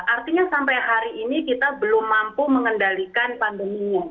artinya sampai hari ini kita belum mampu mengendalikan pandeminya